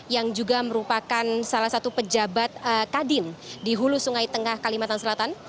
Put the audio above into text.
yang juga merupakan salah satu pejabat kadin di hulu sungai tengah kalimantan selatan